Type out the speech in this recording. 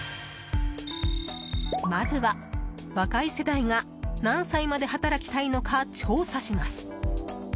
まずは、若い世代が何歳まで働きたいのか調査します。